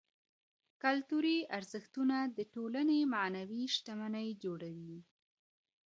کلتوري ارزښتونه د ټولني معنوي شتمني جوړوي.